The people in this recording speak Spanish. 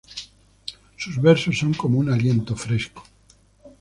Sus versos son como un aliento fresco.